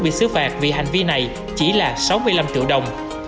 bị xứ phạt vì hành vi này chỉ là sáu mươi năm triệu đồng